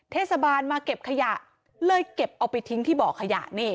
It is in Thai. เทศบาลมาเก็บขยะเลยเก็บเอาไปทิ้งที่บ่อขยะนี่